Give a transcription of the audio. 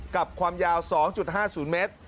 ความยาว๒๕๐เมตร